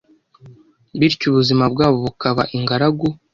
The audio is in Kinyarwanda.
bityo ubuzima bwabo bukaba ingaragu.